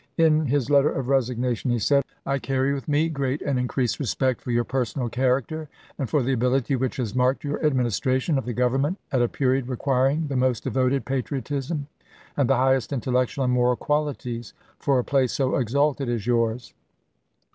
In his letter of resignation he said :" I carry with me great and increased respect for your per sonal character and for the ability which has marked your administration of the Government at a period requiring the most devoted patriotism and the highest intellectual and moral qualities for a place so exalted as yours.